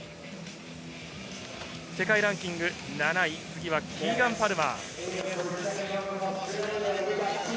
世界ランキング７位、キーガン・パルマー。